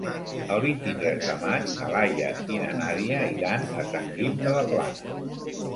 El vint-i-tres de maig na Laia i na Nàdia iran a Sant Guim de la Plana.